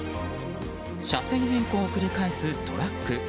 車線変更を繰り返すトラック。